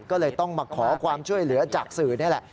ก็เลยต้องมาขอความช่วยเหลือจากสื่อนี่แหละ